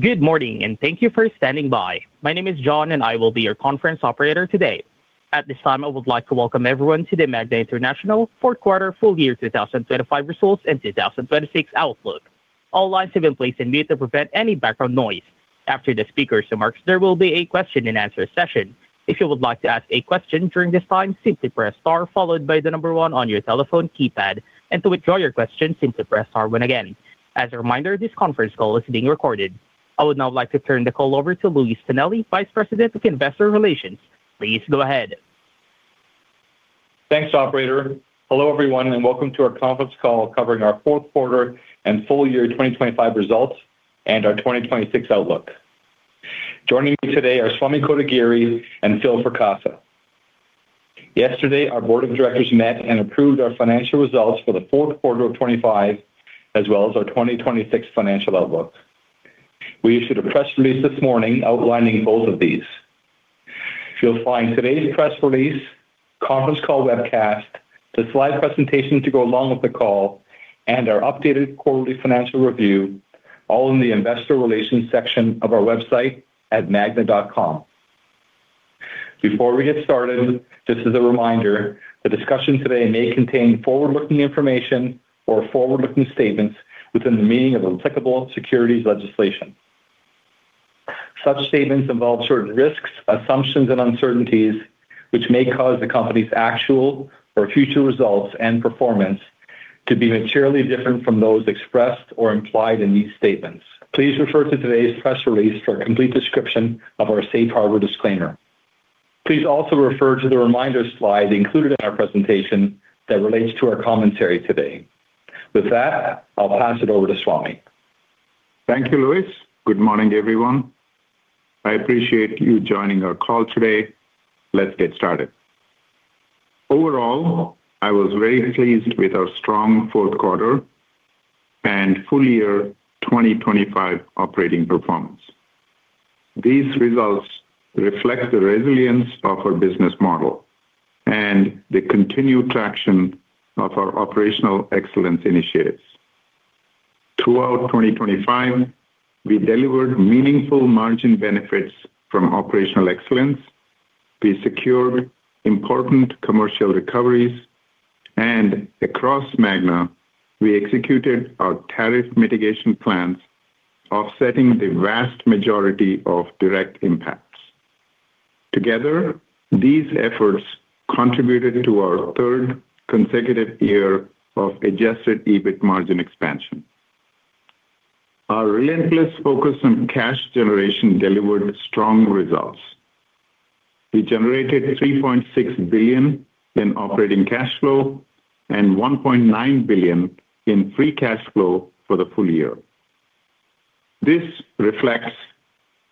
Good morning, and thank you for standing by. My name is John, and I will be your conference operator today. At this time, I would like to welcome everyone to the Magna International Fourth Quarter Full Year 2025 Results and 2026 Outlook. All lines have been placed on mute to prevent any background noise. After the speaker's remarks, there will be a question-and-answer session. If you would like to ask a question during this time, simply press star, followed by the number one on your telephone keypad, and to withdraw your question, simply press star one again. As a reminder, this conference call is being recorded. I would now like to turn the call over to Louis Tonelli, Vice President, Investor Relations. Please go ahead. Thanks, operator. Hello, everyone, and welcome to our conference call covering our fourth quarter and full year 2025 results and our 2026 outlook. Joining me today are Swamy Kotagiri and Phil Fracassa. Yesterday, our Board of Directors met and approved our financial results for the fourth quarter of 2025, as well as our 2026 financial outlook. We issued a press release this morning outlining both of these. You'll find today's press release, conference call webcast, the slide presentation to go along with the call, and our updated quarterly financial review, all in the Investor Relations section of our website at magna.com. Before we get started, just as a reminder, the discussion today may contain forward-looking information or forward-looking statements within the meaning of applicable securities legislation. Such statements involve certain risks, assumptions and uncertainties which may cause the company's actual or future results and performance to be materially different from those expressed or implied in these statements. Please refer to today's press release for a complete description of our safe harbor disclaimer. Please also refer to the reminder slide included in our presentation that relates to our commentary today. With that, I'll pass it over to Swamy. Thank you, Louis. Good morning, everyone. I appreciate you joining our call today. Let's get started. Overall, I was very pleased with our strong fourth quarter and full year 2025 operating performance. These results reflect the resilience of our business model and the continued traction of our operational excellence initiatives. Throughout 2025, we delivered meaningful margin benefits from operational excellence, we secured important commercial recoveries, and across Magna, we executed our tariff mitigation plans, offsetting the vast majority of direct impacts. Together, these efforts contributed to our third consecutive year of adjusted EBIT margin expansion. Our relentless focus on cash generation delivered strong results. We generated $3.6 billion in operating cash flow and $1.9 billion in free cash flow for the full year. This reflects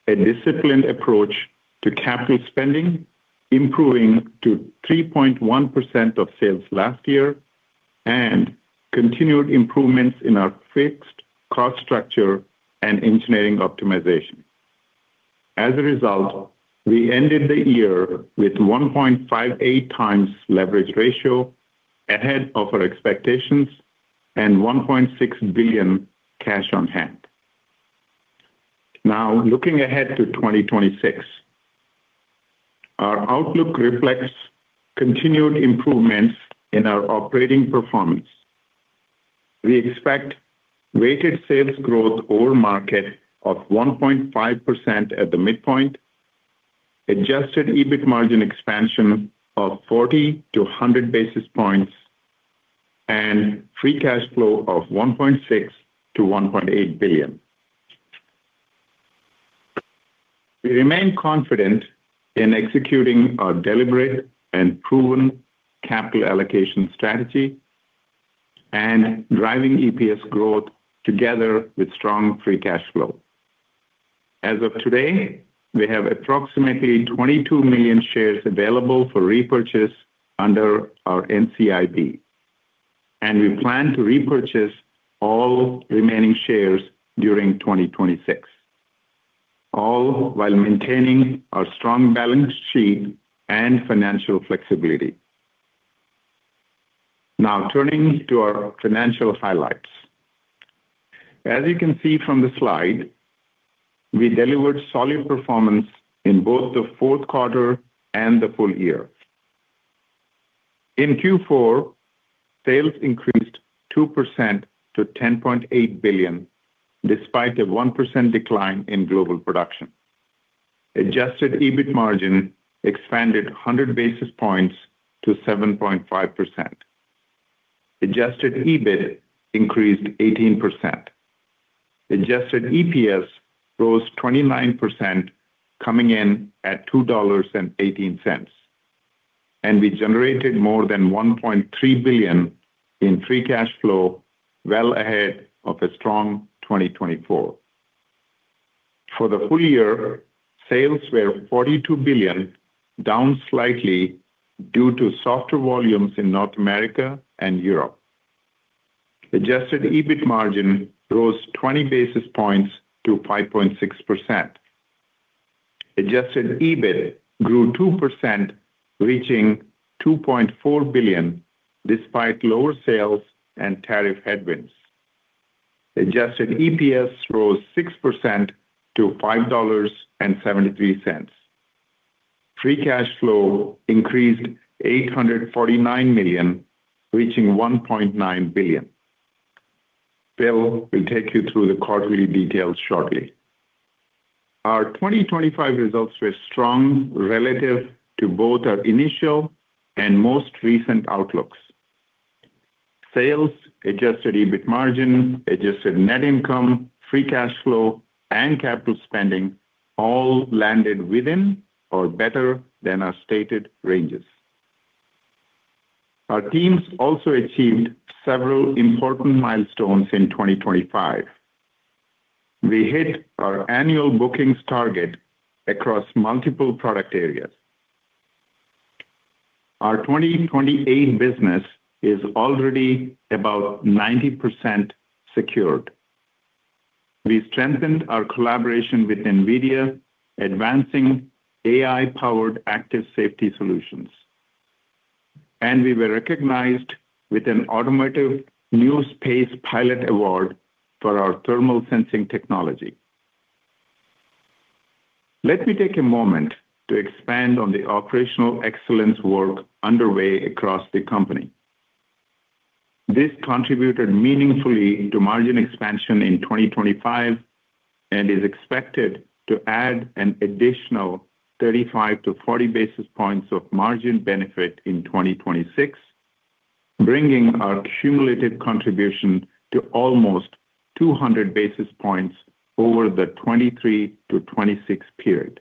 a disciplined approach to capital spending, improving to 3.1% of sales last year, and continued improvements in our fixed cost structure and engineering optimization. As a result, we ended the year with 1.58x leverage ratio, ahead of our expectations and $1.6 billion cash on hand. Now, looking ahead to 2026, our outlook reflects continued improvements in our operating performance. We expect weighted sales growth or market of 1.5% at the midpoint, adjusted EBIT margin expansion of 40-100 basis points, and Free Cash Flow of $1.6 billion-$1.8 billion. We remain confident in executing our deliberate and proven capital allocation strategy and driving EPS growth together with strong Free Cash Flow. As of today, we have approximately 22 million shares available for repurchase under our NCIB, and we plan to repurchase all remaining shares during 2026, all while maintaining our strong balance sheet and financial flexibility. Now, turning to our financial highlights. As you can see from the slide, we delivered solid performance in both the fourth quarter and the full year. In Q4, sales increased 2% to $10.8 billion, despite a 1% decline in global production. Adjusted EBIT margin expanded 100 basis points to 7.5%. Adjusted EBIT increased 18%. Adjusted EPS rose 29%, coming in at $2.18, and we generated more than $1.3 billion in free cash flow, well ahead of a strong 2024. For the full year, sales were $42 billion, down slightly due to softer volumes in North America and Europe. Adjusted EBIT margin rose 20 basis points to 5.6%. Adjusted EBIT grew 2%, reaching $2.4 billion despite lower sales and tariff headwinds. Adjusted EPS rose 6% to $5.73. Free cash flow increased $849 million, reaching $1.9 billion. Phil will take you through the quarterly details shortly. Our 2025 results were strong relative to both our initial and most recent outlooks. Sales, adjusted EBIT margin, adjusted net income, free cash flow, and capital spending all landed within or better than our stated ranges. Our teams also achieved several important milestones in 2025. We hit our annual bookings target across multiple product areas. Our 2028 business is already about 90% secured. We strengthened our collaboration with NVIDIA, advancing AI-powered active safety solutions, and we were recognized with an Automotive News PACE Pilot Award for our thermal sensing technology. Let me take a moment to expand on the operational excellence work underway across the company. This contributed meaningfully to margin expansion in 2025 and is expected to add an additional 35-40 basis points of margin benefit in 2026, bringing our cumulative contribution to almost 200 basis points over the 2023-2026 period.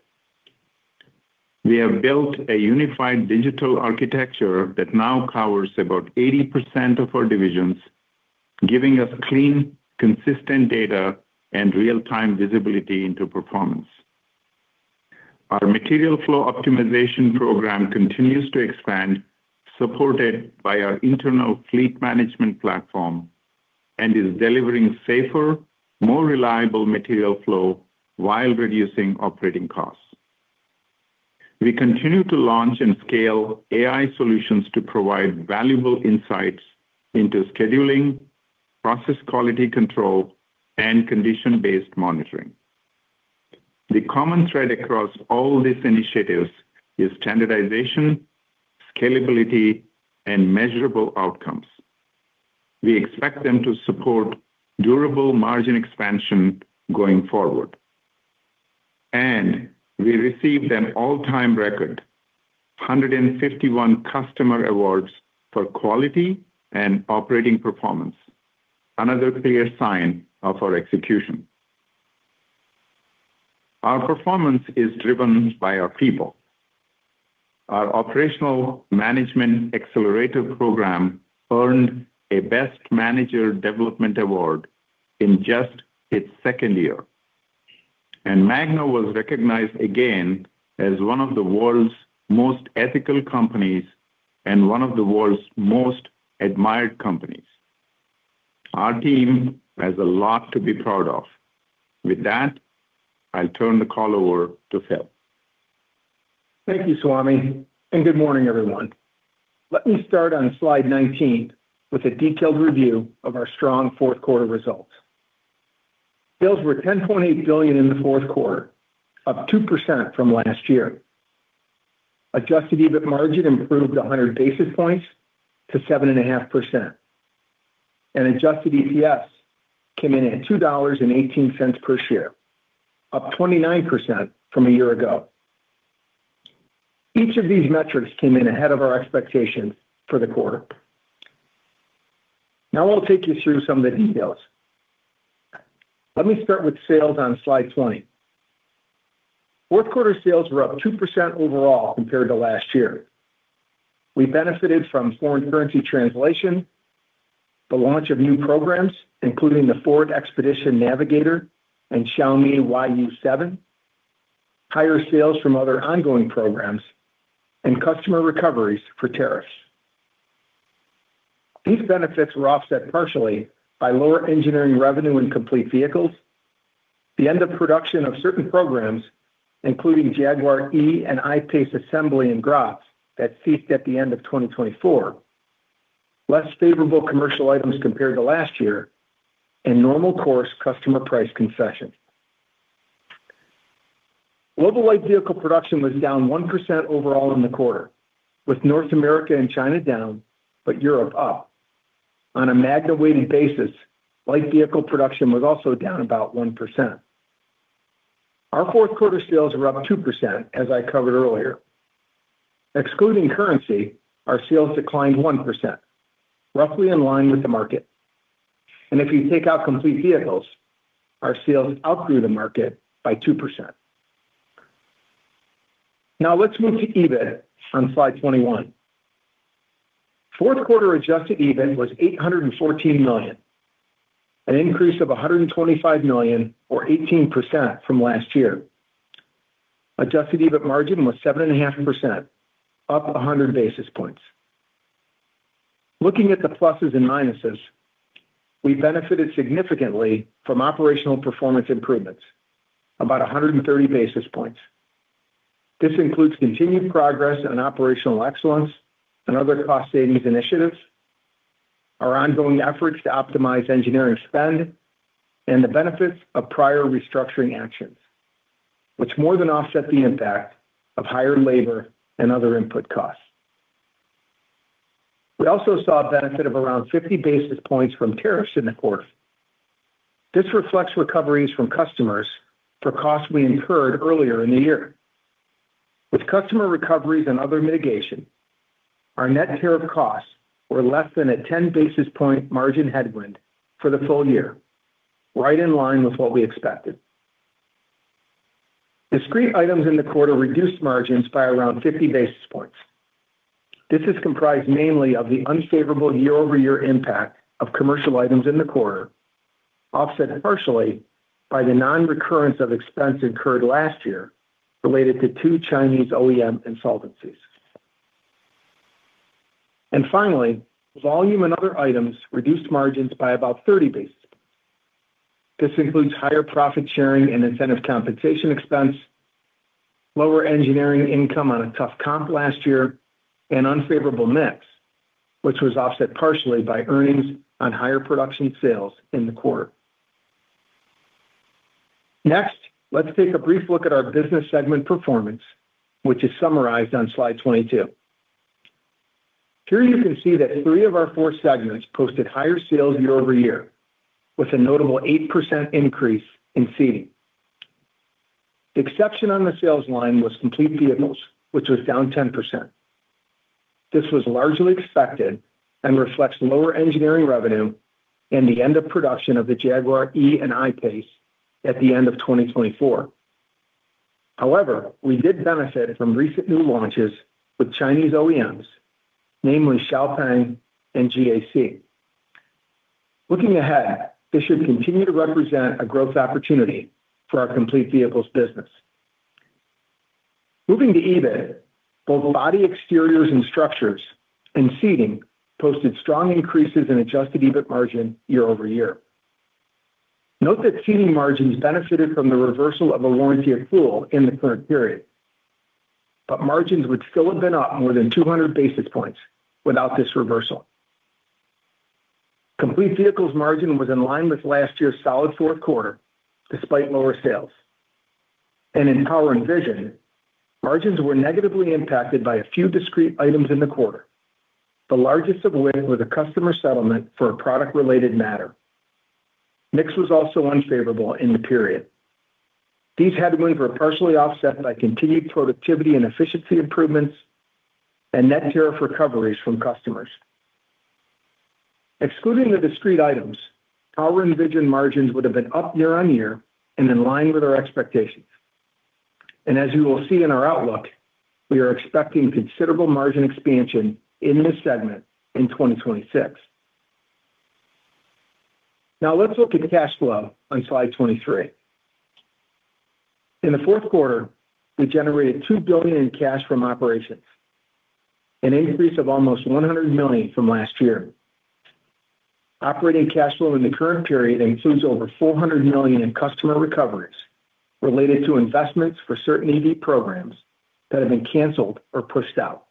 We have built a unified digital architecture that now covers about 80% of our divisions, giving us clean, consistent data and real-time visibility into performance. Our material flow optimization program continues to expand, supported by our internal fleet management platform, and is delivering safer, more reliable material flow while reducing operating costs. We continue to launch and scale AI solutions to provide valuable insights into scheduling, process quality control, and condition-based monitoring. The common thread across all these initiatives is standardization, scalability, and measurable outcomes. We expect them to support durable margin expansion going forward, and we received an all-time record 151 customer awards for quality and operating performance, another clear sign of our execution. Our performance is driven by our people. Our Operational Management Accelerator Program earned a Best Manager Development Award in just its second year, and Magna was recognized again as one of the world's most ethical companies and one of the world's most admired companies. Our team has a lot to be proud of. With that, I'll turn the call over to Phil. Thank you, Swamy, and good morning, everyone. Let me start on slide 19 with a detailed review of our strong fourth quarter results. Sales were $10.8 billion in the fourth quarter, up 2% from last year. Adjusted EBIT margin improved 100 basis points to 7.5%, and adjusted EPS came in at $2.18 per share, up 29% from a year ago. Each of these metrics came in ahead of our expectations for the quarter. Now I'll take you through some of the details. Let me start with sales on slide 20. Fourth quarter sales were up 2% overall compared to last year. We benefited from foreign currency translation, the launch of new programs, including the Ford Expedition, Navigator, and Xiaomi YU7, higher sales from other ongoing programs, and customer recoveries for tariffs. These benefits were offset partially by lower engineering revenue and complete vehicles, the end of production of certain programs, including Jaguar E-PACE and I-PACE assembly in Graz that ceased at the end of 2024, less favorable commercial items compared to last year, and normal course customer price concessions. Global light vehicle production was down 1% overall in the quarter, with North America and China down, but Europe up. On a Magna-weighted basis, light vehicle production was also down about 1%. Our fourth quarter sales were up 2%, as I covered earlier. Excluding currency, our sales declined 1%, roughly in line with the market. If you take out complete vehicles, our sales outgrew the market by 2%. Now, let's move to EBIT on slide 21. Fourth quarter adjusted EBIT was $814 million, an increase of $125 million or 18% from last year. Adjusted EBIT margin was 7.5%, up 100 basis points. Looking at the pluses and minuses, we benefited significantly from operational performance improvements, about 130 basis points. This includes continued progress in operational excellence and other cost-savings initiatives, our ongoing efforts to optimize engineering spend, and the benefits of prior restructuring actions, which more than offset the impact of higher labor and other input costs. We also saw a benefit of around 50 basis points from tariffs in the quarter. This reflects recoveries from customers for costs we incurred earlier in the year. With customer recoveries and other mitigation, our net tariff costs were less than a 10 basis point margin headwind for the full year, right in line with what we expected. Discrete items in the quarter reduced margins by around 50 basis points. This is comprised mainly of the unfavorable year-over-year impact of commercial items in the quarter, offset partially by the non-recurrence of expense incurred last year related to two Chinese OEM insolvencies. Finally, volume and other items reduced margins by about 30 basis points. This includes higher profit sharing and incentive compensation expense, lower engineering income on a tough comp last year, and unfavorable mix, which was offset partially by earnings on higher production sales in the quarter. Next, let's take a brief look at our business segment performance, which is summarized on slide 22. Here you can see that three of our four segments posted higher sales year-over-year, with a notable 8% increase in seating. The exception on the sales line was complete vehicles, which was down 10%. This was largely expected and reflects lower engineering revenue and the end of production of the Jaguar E-PACE and I-PACE at the end of 2024. However, we did benefit from recent new launches with Chinese OEMs, namely XPENG and GAC. Looking ahead, this should continue to represent a growth opportunity for our complete vehicles business. Moving to EBIT, both body exteriors and structures and seating posted strong increases in adjusted EBIT margin year-over-year. Note that seating margins benefited from the reversal of a warranty pool in the current period, but margins would still have been up more than 200 basis points without this reversal. Complete vehicles margin was in line with last year's solid fourth quarter, despite lower sales. In power and vision, margins were negatively impacted by a few discrete items in the quarter. The largest of which was a customer settlement for a product-related matter. Mix was also unfavorable in the period. These headwinds were partially offset by continued productivity and efficiency improvements and net tariff recoveries from customers. Excluding the discrete items, power and vision margins would have been up year-on-year and in line with our expectations. As you will see in our outlook, we are expecting considerable margin expansion in this segment in 2026. Now, let's look at cash flow on slide 23. In the fourth quarter, we generated $2 billion in cash from operations, an increase of almost $100 million from last year. Operating cash flow in the current period includes over $400 million in customer recoveries related to investments for certain EV programs that have been canceled or pushed out.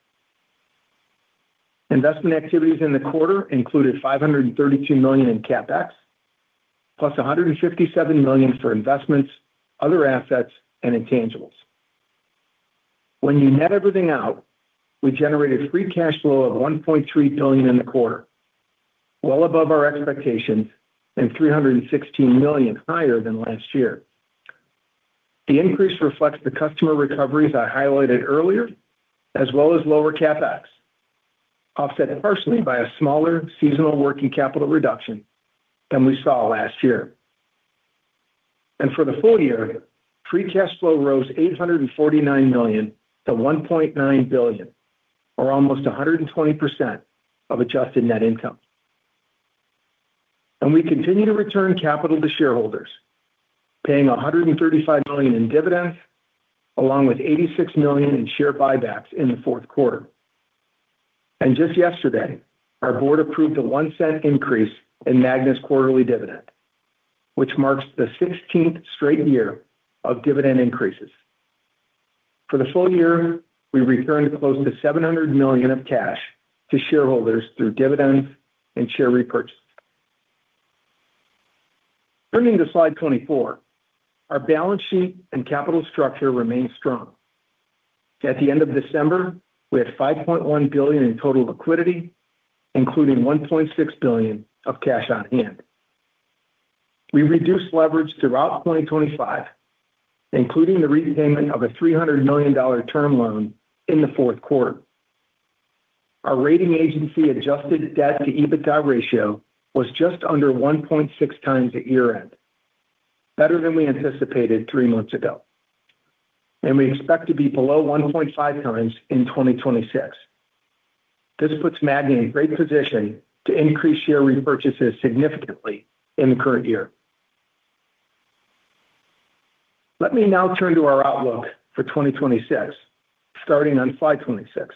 Investment activities in the quarter included $532 million in CapEx, plus $157 million for investments, other assets, and intangibles. When you net everything out, we generated free cash flow of $1.3 billion in the quarter, well above our expectations and $316 million higher than last year. The increase reflects the customer recoveries I highlighted earlier, as well as lower CapEx, offset partially by a smaller seasonal working capital reduction than we saw last year. For the full year, free cash flow rose $849 million to $1.9 billion, or almost 120% of adjusted net income. We continue to return capital to shareholders, paying $135 million in dividends, along with $86 million in share buybacks in the fourth quarter. Just yesterday, our board approved a $0.01 increase in Magna's quarterly dividend, which marks the 16th straight year of dividend increases. For the full year, we returned close to $700 million of cash to shareholders through dividends and share repurchases. Turning to slide 24, our balance sheet and capital structure remain strong. At the end of December, we had $5.1 billion in total liquidity, including $1.6 billion of cash on hand. We reduced leverage throughout 2025, including the repayment of a $300 million term loan in the fourth quarter. Our rating agency-adjusted debt-to-EBITDA ratio was just under 1.6x at year-end, better than we anticipated three months ago, and we expect to be below 1.5x in 2026. This puts Magna in a great position to increase share repurchases significantly in the current year. Let me now turn to our outlook for 2026, starting on slide 26.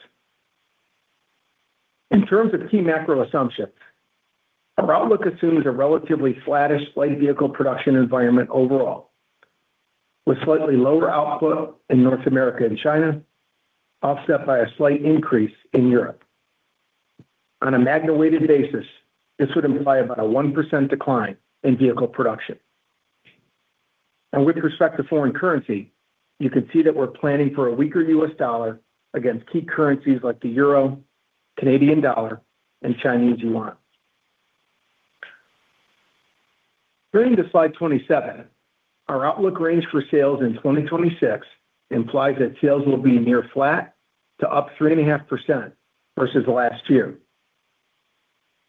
In terms of key macro assumptions, our outlook assumes a relatively flattish light vehicle production environment overall, with slightly lower output in North America and China, offset by a slight increase in Europe. On a Magna-weighted basis, this would imply about a 1% decline in vehicle production. And with respect to foreign currency, you can see that we're planning for a weaker U.S. dollar against key currencies like the euro, Canadian dollar, and Chinese yuan. Turning to slide 27, our outlook range for sales in 2026 implies that sales will be near flat to up 3.5% versus last year.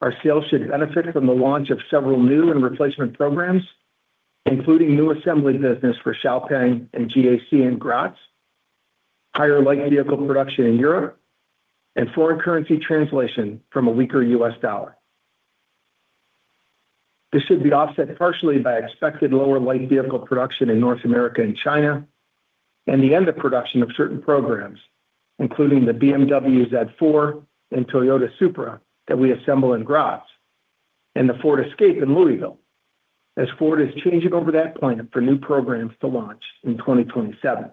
Our sales should benefit from the launch of several new and replacement programs, including new assembly business for XPENG and GAC in Graz, higher light vehicle production in Europe, and foreign currency translation from a weaker U.S. dollar. This should be offset partially by expected lower light vehicle production in North America and China, and the end of production of certain programs, including the BMW Z4 and Toyota Supra that we assemble in Graz and the Ford Escape in Louisville, as Ford is changing over that plant for new programs to launch in 2027.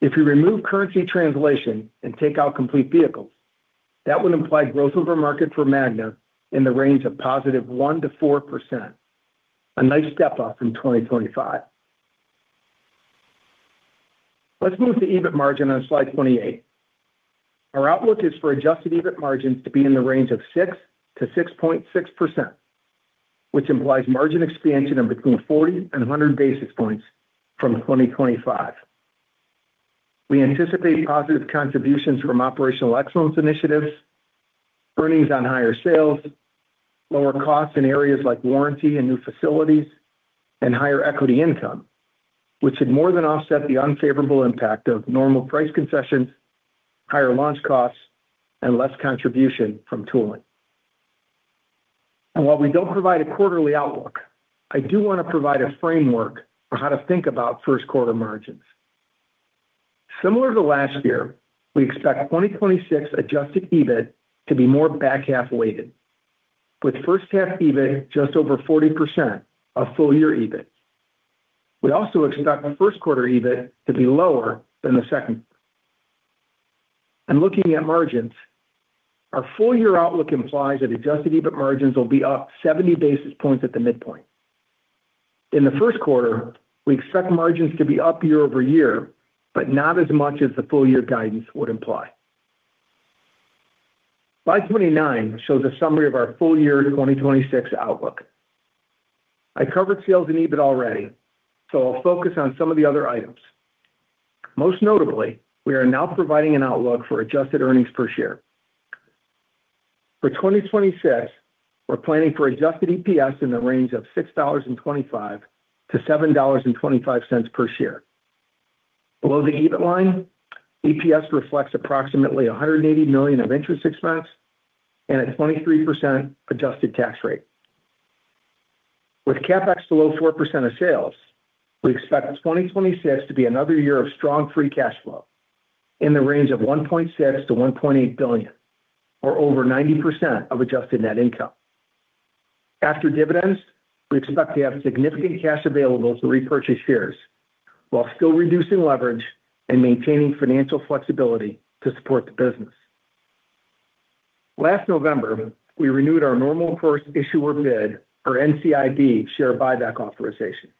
If you remove currency translation and take out complete vehicles, that would imply growth over market for Magna in the range of positive 1%-4%, a nice step up from 2025. Let's move to EBIT margin on slide 28. Our outlook is for adjusted EBIT margins to be in the range of 6%-6.6%, which implies margin expansion of between 40 basis points and 100 basis points from 2025. We anticipate positive contributions from operational excellence initiatives, earnings on higher sales, lower costs in areas like warranty and new facilities, and higher equity income, which should more than offset the unfavorable impact of normal price concessions, higher launch costs, and less contribution from tooling. While we don't provide a quarterly outlook, I do wanna provide a framework for how to think about first quarter margins. Similar to last year, we expect 2026 adjusted EBIT to be more back-half weighted, with first half EBIT just over 40% of full year EBIT. We also expect first quarter EBIT to be lower than the second. Looking at margins, our full year outlook implies that adjusted EBIT margins will be up 70 basis points at the midpoint. In the first quarter, we expect margins to be up year-over-year, but not as much as the full year guidance would imply. Slide 29 shows a summary of our full-year 2026 outlook. I covered sales and EBIT already, so I'll focus on some of the other items. Most notably, we are now providing an outlook for adjusted earnings per share. For 2026, we're planning for adjusted EPS in the range of $6.25-$7.25 per share. Below the EBIT line, EPS reflects approximately $180 million of interest expense and a 23% adjusted tax rate. With CapEx below 4% of sales, we expect 2026 to be another year of strong free cash flow in the range of $1.6 billion-$1.8 billion, or over 90% of adjusted net income. After dividends, we expect to have significant cash available to repurchase shares while still reducing leverage and maintaining financial flexibility to support the business. Last November, we renewed our normal course issuer bid or NCIB share buyback authorization.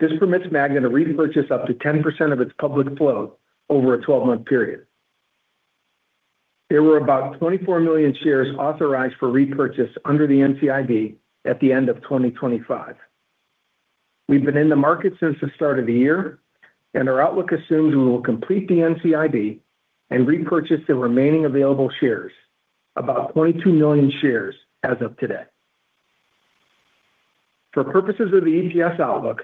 This permits Magna to repurchase up to 10% of its public float over a 12-month period. There were about 24 million shares authorized for repurchase under the NCIB at the end of 2025. We've been in the market since the start of the year, and our outlook assumes we will complete the NCIB and repurchase the remaining available shares, about 22 million shares as of today. For purposes of the EPS outlook,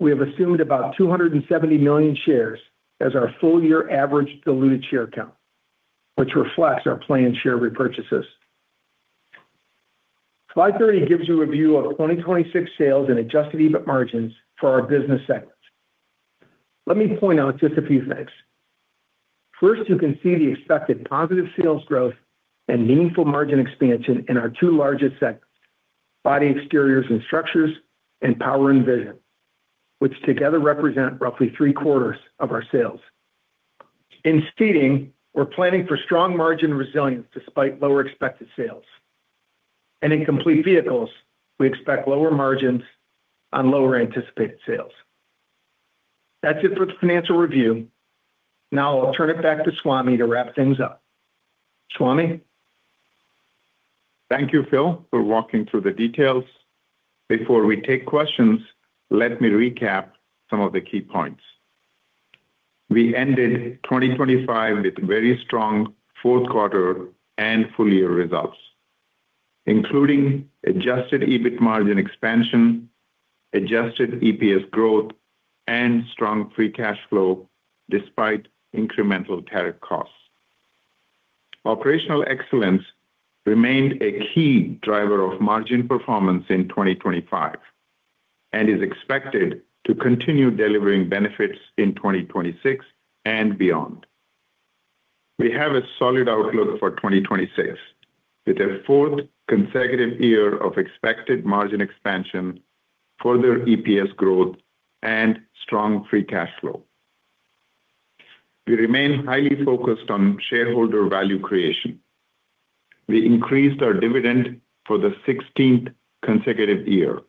we have assumed about 270 million shares as our full year average diluted share count, which reflects our planned share repurchases. Slide 30 gives you a view of 2026 sales and adjusted EBIT margins for our business segments. Let me point out just a few things. First, you can see the expected positive sales growth and meaningful margin expansion in our two largest segments, body exteriors and structures, and power and vision, which together represent roughly three-quarters of our sales. In seating, we're planning for strong margin resilience despite lower expected sales. In complete vehicles, we expect lower margins on lower anticipated sales. That's it for the financial review. Now I'll turn it back to Swamy to wrap things up. Swamy? Thank you, Phil, for walking through the details. Before we take questions, let me recap some of the key points. We ended 2025 with very strong fourth quarter and full year results, including adjusted EBIT margin expansion, adjusted EPS growth, and strong free cash flow despite incremental tariff costs. Operational excellence remained a key driver of margin performance in 2025, and is expected to continue delivering benefits in 2026 and beyond. We have a solid outlook for 2026, with a fourth consecutive year of expected margin expansion, further EPS growth, and strong free cash flow. We remain highly focused on shareholder value creation. We increased our dividend for the sixteenth consecutive year,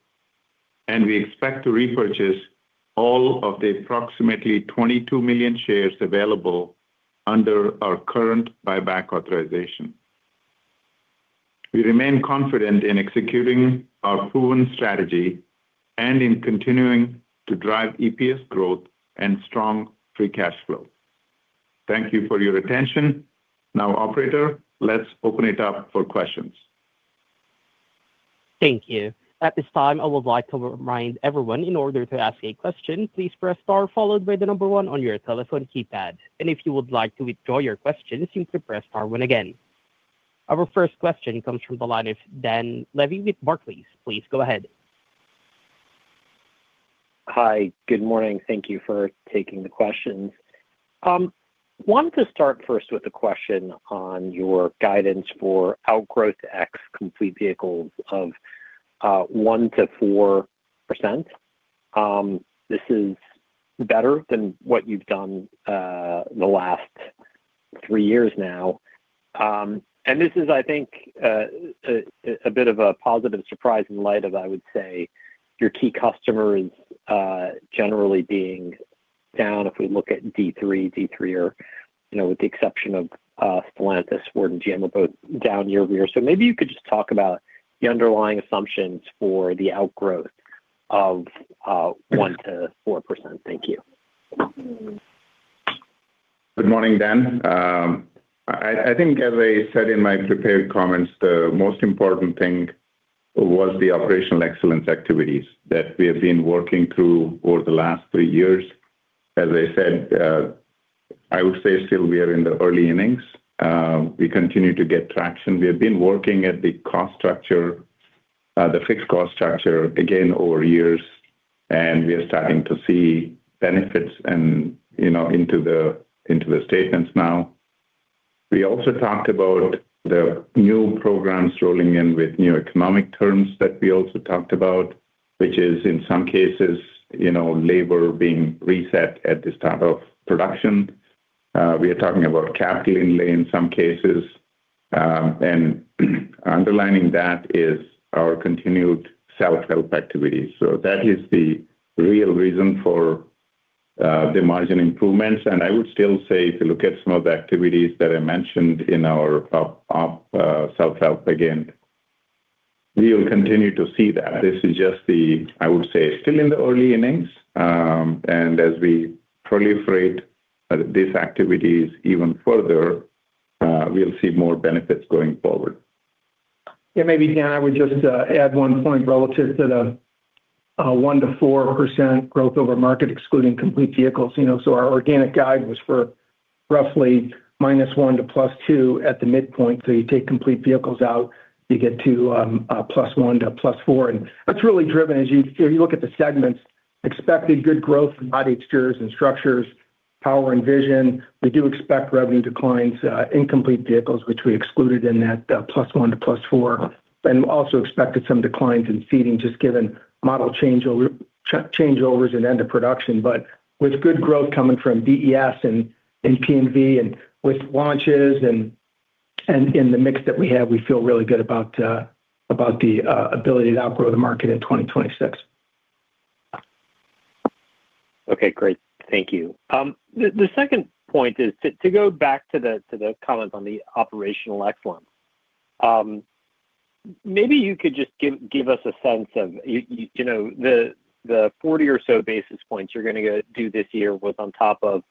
and we expect to repurchase all of the approximately 22 million shares available under our current buyback authorization. We remain confident in executing our proven strategy and in continuing to drive EPS growth and strong free cash flow. Thank you for your attention. Now, operator, let's open it up for questions. Thank you. At this time, I would like to remind everyone, in order to ask a question, please press star followed by the number one on your telephone keypad. And if you would like to withdraw your question, simply press star one again. Our first question comes from the line of Dan Levy with Barclays. Please go ahead. Hi, good morning. Thank you for taking the questions. Wanted to start first with a question on your guidance for outgrowth ex complete vehicles of 1%-4%. This is better than what you've done, the last three years now. And this is, I think, a bit of a positive surprise in light of, I would say, your key customers, generally being down, if we look at D3, or, you know, with the exception of Stellantis, Ford and GM are both down year-over-year. So maybe you could just talk about the underlying assumptions for the outgrowth of 1%-4%. Thank you. Good morning, Dan. I think as I said in my prepared comments, the most important thing was the operational excellence activities that we have been working through over the last three years. As I said, I would say still we are in the early innings. We continue to get traction. We have been working at the cost structure, the fixed cost structure, again, over years, and we are starting to see benefits and, you know, into the statements now. We also talked about the new programs rolling in with new economic terms that we also talked about, which is, in some cases, you know, labor being reset at the start of production. We are talking about capital in some cases, and underlining that is our continued self-help activities. So that is the real reason for the margin improvements. I would still say, if you look at some of the activities that I mentioned in our self-help, again, we will continue to see that. This is just the, I would say, still in the early innings, and as we proliferate these activities even further, we'll see more benefits going forward. Yeah, maybe, Dan, I would just add one point relative to the 1%-4% growth over market, excluding complete vehicles. You know, so our organic guide was for roughly -1 to +2 at the midpoint. So you take complete vehicles out, you get to +1 to +4. And that's really driven, as you, if you look at the segments, expected good growth in body exteriors and structures, power and vision. We do expect revenue declines in complete vehicles, which we excluded in that +1 to +4, and also expected some declines in seating, just given model changeovers and end of production. But with good growth coming from BES and P&V and with launches and in the mix that we have, we feel really good about the ability to outgrow the market in 2026. Okay, great. Thank you. The second point is to go back to the comment on the operational excellence. Maybe you could just give us a sense of, you know, the 40 or so basis points you're gonna go do this year was on top of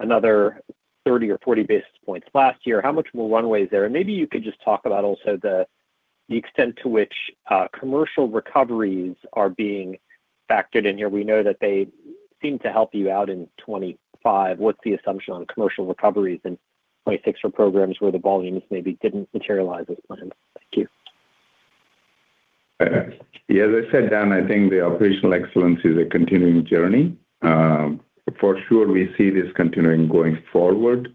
another 30 basis points or 40 basis points last year. How much more runway is there? And maybe you could just talk about also the extent to which commercial recoveries are being factored in here. We know that they seem to help you out in 2025. What's the assumption on commercial recoveries in 2026 for programs where the volumes maybe didn't materialize as planned? Thank you. Yeah, as I said, Dan, I think the operational excellence is a continuing journey. For sure, we see this continuing going forward.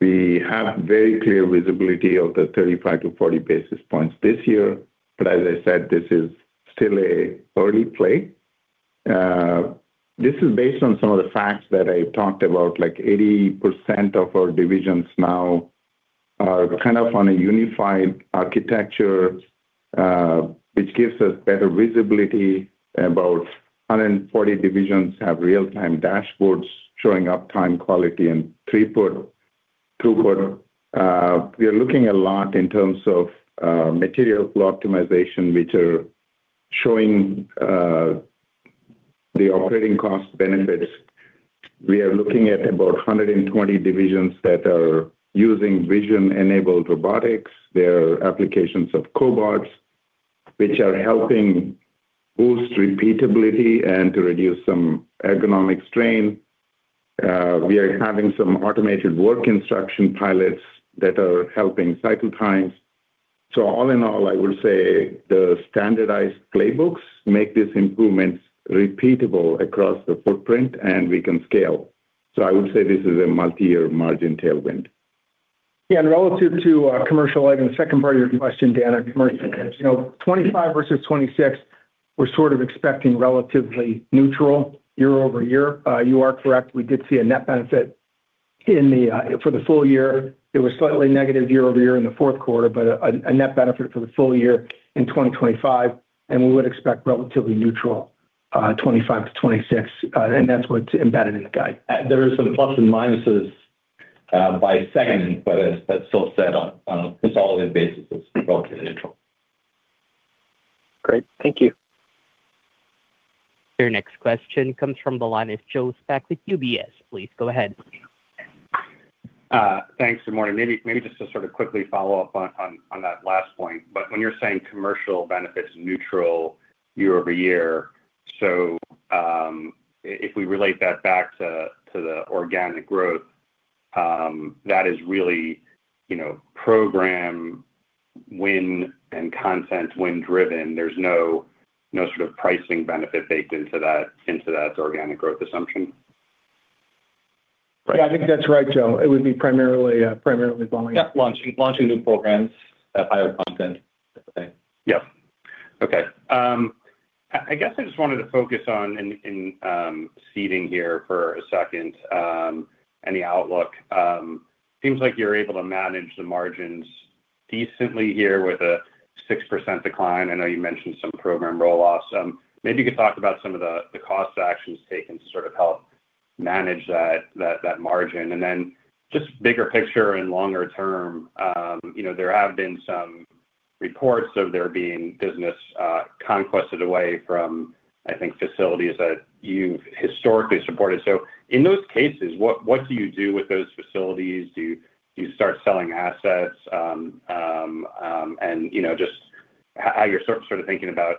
We have very clear visibility of the 35 basis points -40 basis points this year, but as I said, this is still a early play. This is based on some of the facts that I talked about, like 80% of our divisions now are kind of on a unified architecture, which gives us better visibility. About 140 divisions have real-time dashboards showing uptime, quality, and three-quarter, two-quarter. We are looking a lot in terms of material flow optimization, which are showing the operating cost benefits. We are looking at about 120 divisions that are using vision-enabled robotics. There are applications of cobots which are helping boost repeatability and to reduce some ergonomic strain. We are having some automated work instruction pilots that are helping cycle times. All in all, I will say the standardized playbooks make these improvements repeatable across the footprint, and we can scale. I would say this is a multi-year margin tailwind. Yeah, and relative to commercial, like in the second part of your question, Dan, you know, 2025 versus 2026, we're sort of expecting relatively neutral year-over-year. You are correct. We did see a net benefit in the for the full year. It was slightly negative year-over-year in the fourth quarter, but a net benefit for the full year in 2025, and we would expect relatively neutral 2025 to 2026, and that's what's embedded in the guide. There are some plus and minuses, by segment, but as that's still set on a consolidated basis, it's relatively neutral. Great, thank you. Your next question comes from the line of Joe Spak with UBS. Please go ahead. Thanks, good morning. Maybe just to sort of quickly follow up on that last point, but when you're saying commercial benefits neutral year over year, if we relate that back to the organic growth, that is really, you know, program win and content win driven. There's no sort of pricing benefit baked into that organic growth assumption? I think that's right, Joe. It would be primarily volume. Yeah, launching new programs at higher content, I think. Yep. Okay. I guess I just wanted to focus on seating here for a second, and the outlook. Seems like you're able to manage the margins decently here with a 6% decline. I know you mentioned some program roll-offs. Maybe you could talk about some of the cost actions taken to sort of help manage that margin. And then just bigger picture and longer term, you know, there have been some reports of there being business conquested away from, I think, facilities that you've historically supported. So in those cases, what do you do with those facilities? Do you start selling assets? And, you know, just how you're sort of thinking about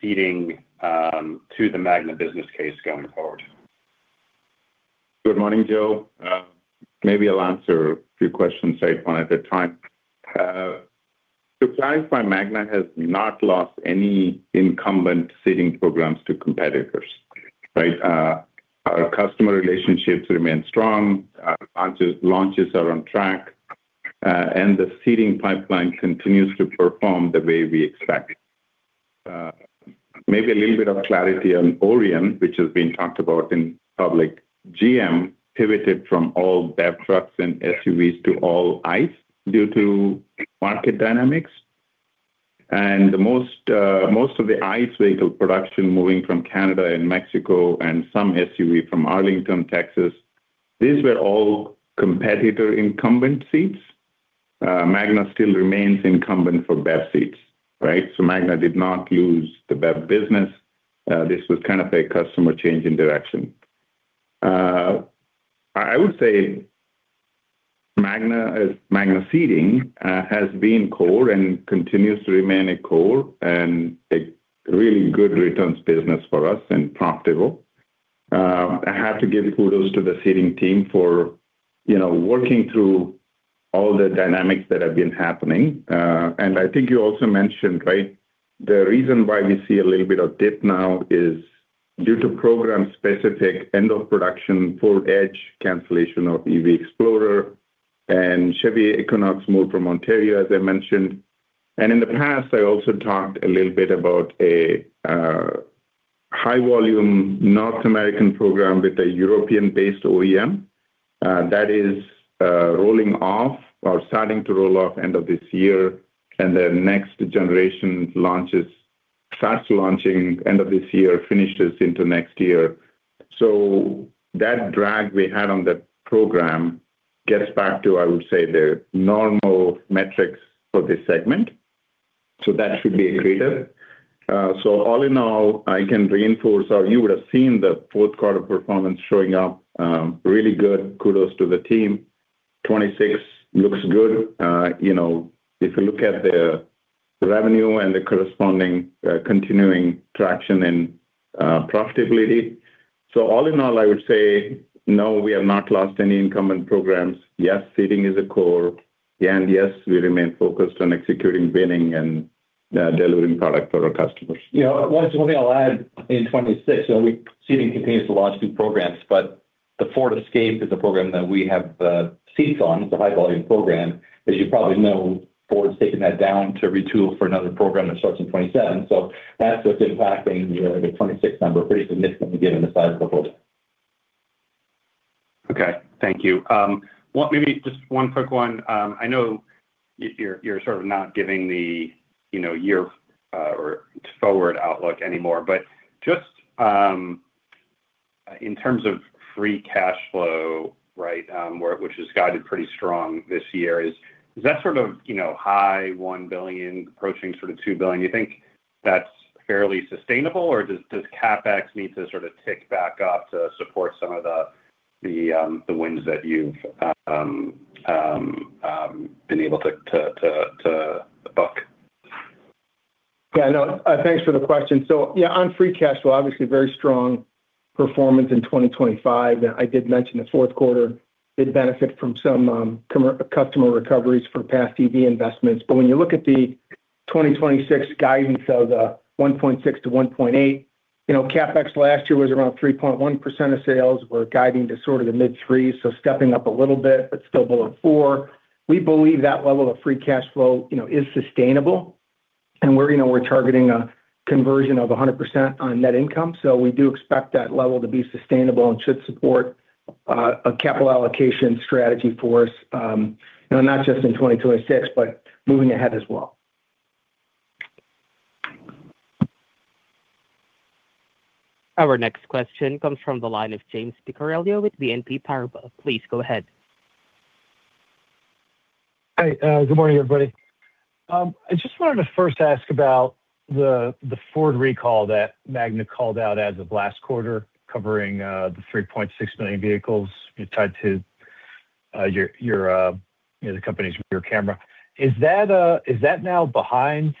seating to the Magna business case going forward. Good morning, Joe. Maybe I'll answer a few questions, say one at a time. So far, Magna has not lost any incumbent Seating programs to competitors, right? Our customer relationships remain strong, our launches, launches are on track, and the seating pipeline continues to perform the way we expect. Maybe a little bit of clarity on Orion, which has been talked about in public. GM pivoted from all BEV trucks and SUVs to all ICE due to market dynamics. And the most, most of the ICE vehicle production moving from Canada and Mexico and some SUV from Arlington, Texas, these were all competitor incumbent seats. Magna still remains incumbent for BEV seats, right? So Magna did not lose the BEV business. This was kind of a customer change in direction. I would say Magna is, Magna Seating, has been core and continues to remain a core and a really good returns business for us and profitable. I have to give kudos to the Seating team for, you know, working through all the dynamics that have been happening. And I think you also mentioned, right, the reason why we see a little bit of dip now is due to program-specific end of production, Ford Edge, cancellation of EV Explorer, and Chevy Equinox moved from Ontario, as I mentioned. And in the past, I also talked a little bit about a high volume North American program with a European-based OEM that is rolling off or starting to roll off end of this year, and the next generation starts launching end of this year, finishes into next year. So that drag we had on the program gets back to, I would say, the normal metrics for this segment, so that should be greater. So all in all, I can reinforce, or you would have seen the fourth quarter performance showing up really good. Kudos to the team. 2026 looks good. You know, if you look at the revenue and the corresponding continuing traction and profitability. So all in all, I would say, no, we have not lost any incumbent programs. Yes, seating is a core. And yes, we remain focused on executing, winning, and delivering product for our customers. You know, one thing I'll add in 2026, so seating continues to launch new programs, but the Ford Escape is a program that we have, seats on, it's a high volume program. As you probably know, Ford's taking that down to retool for another program that starts in 2027. So that's what's impacting the 2026 number, pretty significantly given the size of the program. Okay, thank you. Well, maybe just one quick one. I know you're, you're sort of not giving the, you know, year, or forward outlook anymore, but just, in terms of free cash flow, right, where—which is guided pretty strong this year. Is, is that sort of, you know, high $1 billion, approaching sort of $2 billion, you think, that's fairly sustainable, or does CapEx need to sort of tick back up to support some of the wins that you've been able to book? Yeah, no. Thanks for the question. So, yeah, on free cash flow, obviously very strong performance in 2025. I did mention the fourth quarter did benefit from some customer recoveries for past EV investments. But when you look at the 2026 guidance of $1.6 billion-$1.8 billion, you know, CapEx last year was around 3.1% of sales. We're guiding to sort of the mid-3s, so stepping up a little bit, but still below 4%. We believe that level of free cash flow, you know, is sustainable, and we're, you know, we're targeting a conversion of 100% on net income. So we do expect that level to be sustainable and should support a capital allocation strategy for us, you know, not just in 2026, but moving ahead as well. Our next question comes from the line of James Picariello with BNP Paribas. Please go ahead. Hi, good morning, everybody. I just wanted to first ask about the Ford recall that Magna called out as of last quarter, covering the 3.6 million vehicles tied to your you know the company's rear camera. Is that now behind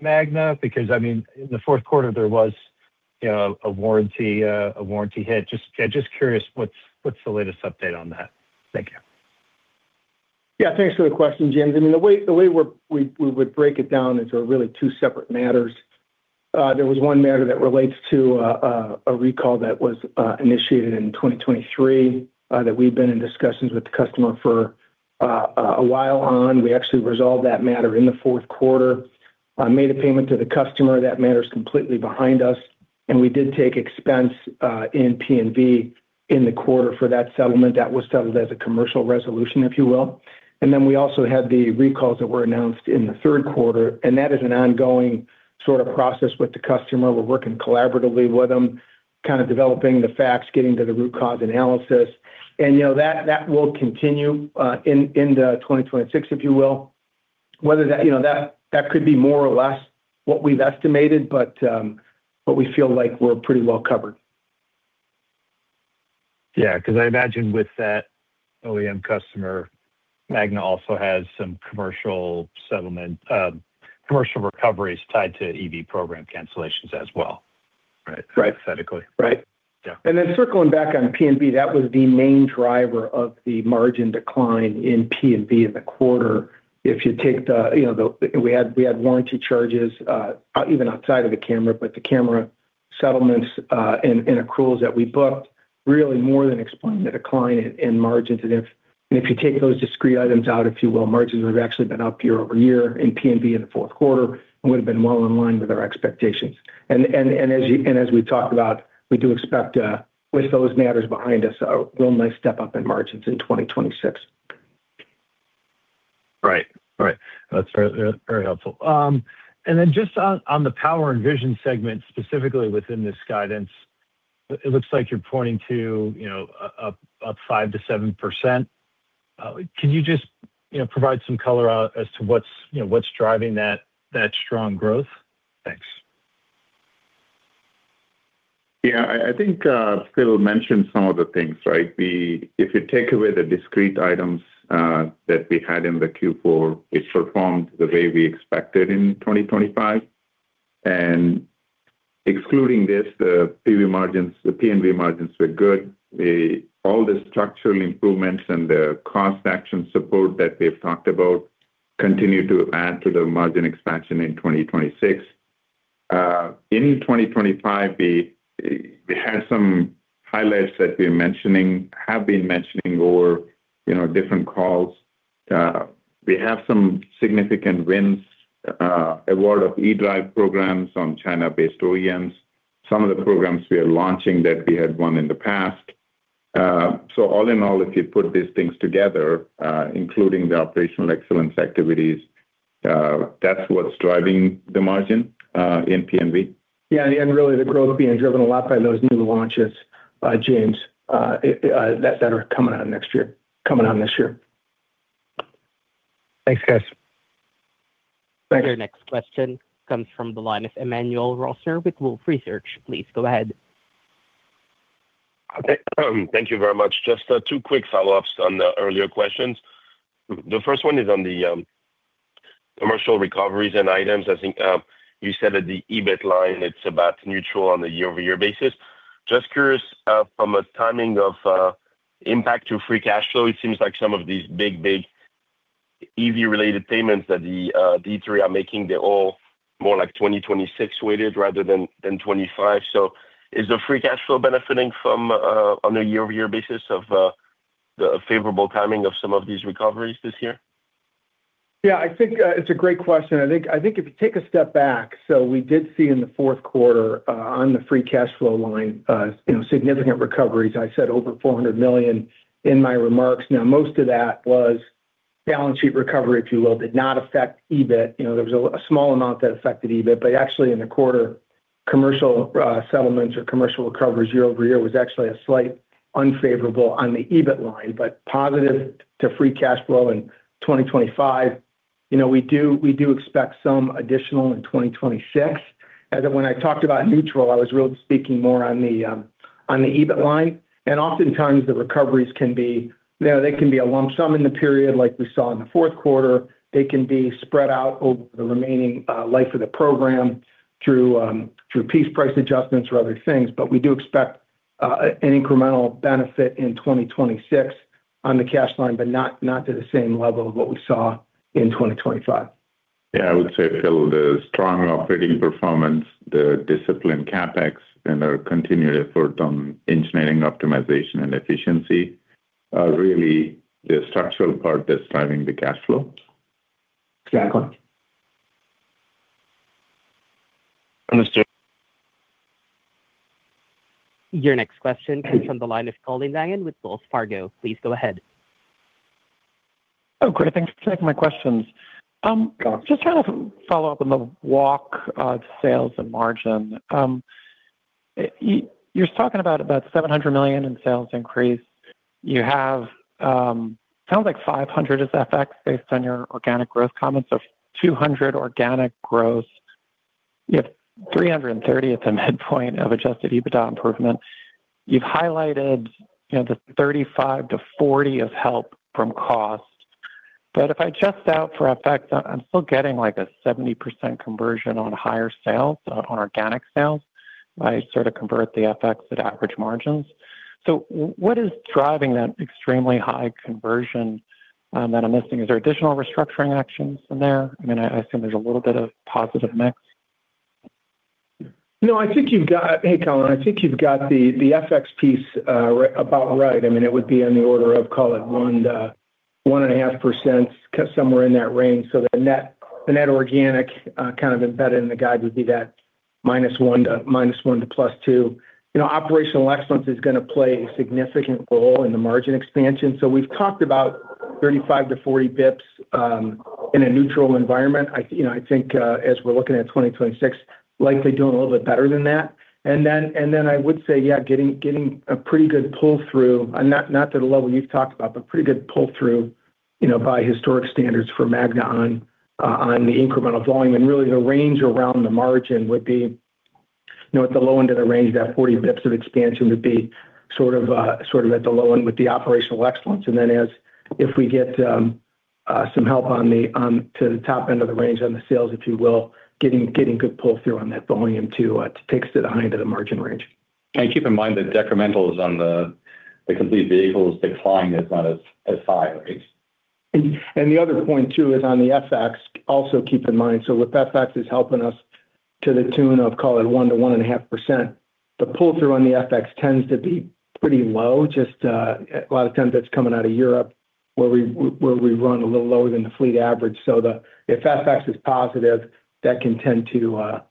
Magna? Because, I mean, in the fourth quarter, there was you know a warranty hit. Just curious, what's the latest update on that? Thank you. Yeah, thanks for the question, James. I mean, the way we would break it down into really two separate matters. There was one matter that relates to a recall that was initiated in 2023 that we've been in discussions with the customer for a while on. We actually resolved that matter in the fourth quarter, made a payment to the customer. That matter is completely behind us, and we did take expense in P&V in the quarter for that settlement. That was settled as a commercial resolution, if you will. And then we also had the recalls that were announced in the third quarter, and that is an ongoing sort of process with the customer. We're working collaboratively with them, kind of developing the facts, getting to the root cause analysis. You know, that will continue in 2026, if you will. Whether that, you know, could be more or less what we've estimated, but we feel like we're pretty well covered. Yeah, because I imagine with that OEM customer, Magna also has some commercial settlement, commercial recoveries tied to EV program cancellations as well. Right. Hypothetically. Right. Yeah. And then circling back on P&V, that was the main driver of the margin decline in P&V in the quarter. If you take the, you know, we had warranty charges, even outside of the camera, but the camera settlements, and accruals that we booked, really more than explained the decline in margins. And if you take those discrete items out, if you will, margins have actually been up year-over-year in P&V in the fourth quarter and would have been well in line with our expectations. And as you, as we talked about, we do expect, with those matters behind us, a real nice step up in margins in 2026. Right. Right. That's very, very helpful. And then just on the power and vision segment, specifically within this guidance, it looks like you're pointing to, you know, up 5%-7%. Can you just, you know, provide some color as to what's, you know, what's driving that, that strong growth? Thanks. Yeah, I think Phil mentioned some of the things, right? If you take away the discrete items that we had in the Q4, it performed the way we expected in 2025. And excluding this, the PV margins, the P&V margins were good. All the structural improvements and the cost action support that we've talked about continue to add to the margin expansion in 2026. In 2025, we had some highlights that we're mentioning, have been mentioning over, you know, different calls. We have some significant wins, award of eDrive programs on China-based OEMs, some of the programs we are launching that we had won in the past. So all in all, if you put these things together, including the operational excellence activities, that's what's driving the margin in P&V. Yeah, and really, the growth being driven a lot by those new launches, James, that are coming out next year - coming out this year. Thanks, guys. Thank you. Your next question comes from the line of Emmanuel Rosner with Wolfe Research. Please go ahead. Thank you very much. Just, two quick follow-ups on the earlier questions. The first one is on the, commercial recoveries and items. I think, you said that the EBIT line, it's about neutral on a year-over-year basis. Just curious, from a timing of, impact to free cash flow, it seems like some of these big, big EV-related payments that the, the three are making, they're all more like 2026 weighted rather than, than 2025. So is the free cash flow benefiting from, on a year-over-year basis of, the favorable timing of some of these recoveries this year? Yeah, I think it's a great question. I think if you take a step back, so we did see in the fourth quarter on the free cash flow line, you know, significant recoveries. I said over $400 million in my remarks. Now, most of that was balance sheet recovery, if you will, did not affect EBIT. You know, there was a small amount that affected EBIT, but actually in the quarter commercial settlements or commercial recoveries year-over-year was actually a slight unfavorable on the EBIT line, but positive to free cash flow in 2025. You know, we do expect some additional in 2026, as when I talked about neutral, I was really speaking more on the EBIT line. Oftentimes the recoveries can be, you know, they can be a lump sum in the period like we saw in the fourth quarter. They can be spread out over the remaining life of the program through piece price adjustments or other things. But we do expect an incremental benefit in 2026 on the cash line, but not to the same level of what we saw in 2025. Yeah, I would say, Phil, the strong operating performance, the disciplined CapEx, and our continued effort on engineering optimization and efficiency are really the structural part that's driving the cash flow. Exactly. Your next question comes from the line of Colin Langan with Wells Fargo. Please go ahead. Oh, great. Thanks for taking my questions. Just trying to follow up on the walk of sales and margin. You're talking about $700 million in sales increase. You have, sounds like $500 million is FX based on your organic growth comments, so $200 million organic growth. You have $330 million at the midpoint of adjusted EBITDA improvement. You've highlighted, you know, the $35 million -$40 million of help from cost. But if I adjust out for FX, I'm still getting, like, a 70% conversion on higher sales, on organic sales. I sort of convert the FX at average margins. So what is driving that extremely high conversion that I'm missing? Is there additional restructuring actions in there? I mean, I assume there's a little bit of positive mix. No, I think you've got... Hey, Colin, I think you've got the FX piece right, about right. I mean, it would be on the order of, call it, 1%-1.5%, somewhere in that range. So the net organic kind of embedded in the guide would be that -1% to +2%. You know, operational excellence is gonna play a significant role in the margin expansion. So we've talked about 35 basis points-40 basis points in a neutral environment. I, you know, I think as we're looking at 2026, likely doing a little bit better than that. Then I would say, yeah, getting a pretty good pull-through, and not to the level you've talked about, but pretty good pull-through, you know, by historic standards for Magna on the incremental volume. Really, the range around the margin would be, you know, at the low end of the range, that 40 basis points of expansion would be sort of at the low end with the operational excellence. Then as if we get some help on the to the top end of the range on the sales, if you will, getting good pull-through on that volume too, takes it high to the margin range. And keep in mind, the decrementals on the complete vehicles declining is not as high, right? The other point, too, is on the FX. Also keep in mind, so with FX is helping us to the tune of, call it, 1%-1.5%. The pull-through on the FX tends to be pretty low, just a lot of times that's coming out of Europe, where we run a little lower than the fleet average. So, if FX is positive, that can tend to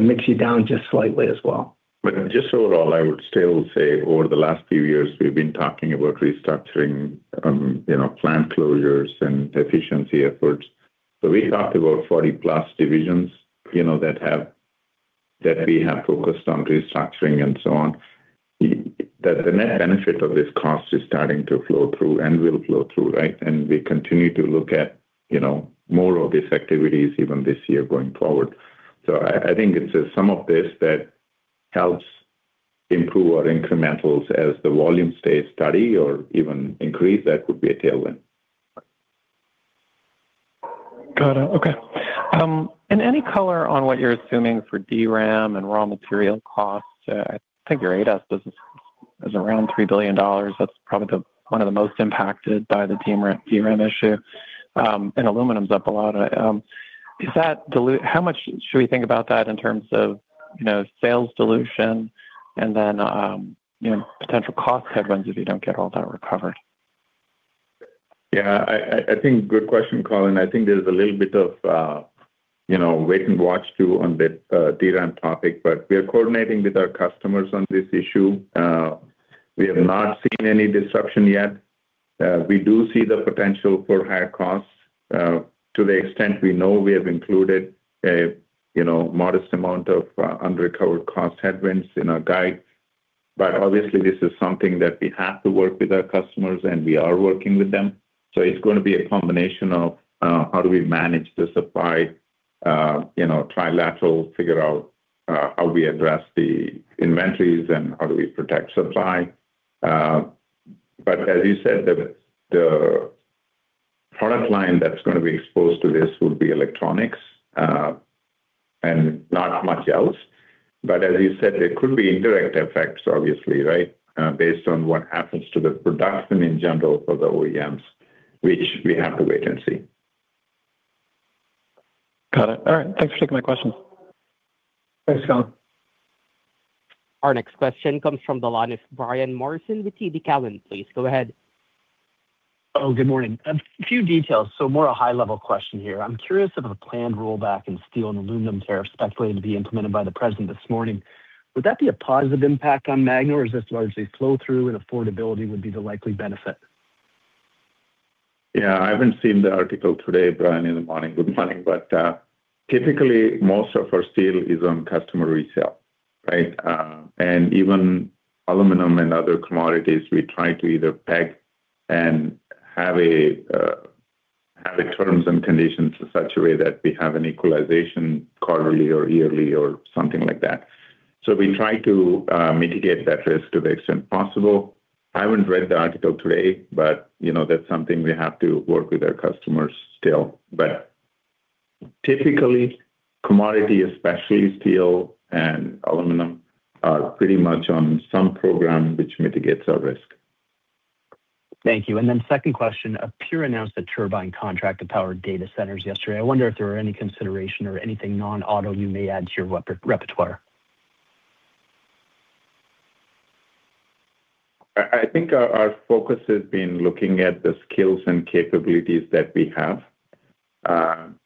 mix you down just slightly as well. But just overall, I would still say over the last few years, we've been talking about restructuring, you know, plant closures and efficiency efforts. So we talked about 40-plus divisions, you know, that we have focused on restructuring and so on. The net benefit of this cost is starting to flow through and will flow through, right? And we continue to look at, you know, more of these activities even this year going forward. So I think it's some of this that helps improve our incrementals as the volume stays steady or even increase, that could be a tailwind. Got it. Okay. And any color on what you're assuming for DRAM and raw material costs? I think your ADAS business is around $3 billion. That's probably the one of the most impacted by the DRAM, DRAM issue, and aluminum's up a lot. Is that dilu- how much should we think about that in terms of, you know, sales dilution and then, you know, potential cost headwinds if you don't get all that recovered? Yeah, I think good question, Colin. I think there's a little bit of, you know, wait and watch, too, on the DRAM topic, but we are coordinating with our customers on this issue. We have not seen any disruption yet. We do see the potential for higher costs. To the extent we know, we have included a, you know, modest amount of unrecovered cost headwinds in our guide. But obviously, this is something that we have to work with our customers, and we are working with them. So it's gonna be a combination of, how do we manage the supply, you know, trilateral, figure out, how we address the inventories and how do we protect supply. But as you said, the product line that's gonna be exposed to this would be electronics, and not much else. But as you said, there could be indirect effects, obviously, right? Based on what happens to the production in general for the OEMs, which we have to wait and see. Got it. All right. Thanks for taking my question. Thanks, Colin. Our next question comes from the line of Brian Morrison with TD Cowen. Please go ahead. Oh, good morning. A few details, so more a high-level question here. I'm curious if a planned rollback in steel and aluminum tariffs, that's going to be implemented by the President this morning, would that be a positive impact on Magna, or is this largely flow through and affordability would be the likely benefit? Yeah, I haven't seen the article today, Brian, in the morning. Good morning. But typically, most of our steel is on customer resale, right? And even aluminum and other commodities, we try to either peg and have terms and conditions in such a way that we have an equalization quarterly or yearly or something like that. So we try to mitigate that risk to the extent possible. I haven't read the article today, but you know, that's something we have to work with our customers still. But typically, commodity, especially steel and aluminum, are pretty much on some program which mitigates our risk. Thank you. And then second question, a peer announced a turbine contract to power data centers yesterday. I wonder if there are any consideration or anything non-auto you may add to your repertoire. I think our focus has been looking at the skills and capabilities that we have.